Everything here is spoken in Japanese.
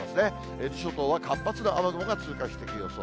伊豆諸島は活発な雨雲が通過していく予想。